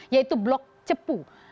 yaitu blok cepu